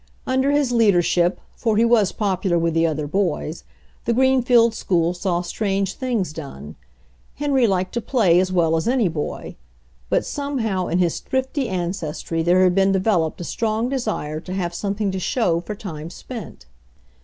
Under his leadership, for he was popular with the other boys, the Greenfield school saw strange things done. Henry liked to play as well as any boy, but somehow in his thrifty ancestry there had been developed a strong desire to have some^ thing tQ show for time spent.